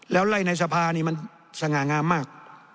แล้วไล่ในสภานี่มันสง่างามมาก